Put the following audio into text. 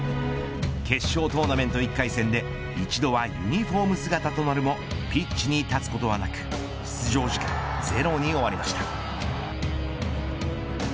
決勝トーナメント１回戦で一度はユニホーム姿となるもピッチに立つことはなく出場時間ゼロに終わりました。